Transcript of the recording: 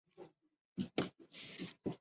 钻石大部份在国内加工后输出。